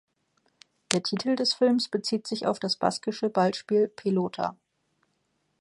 Der Titel des Films bezieht sich auf das baskische Ballspiel Pelota.